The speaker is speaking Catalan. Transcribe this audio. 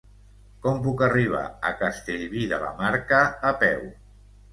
Com puc arribar a Castellví de la Marca a peu?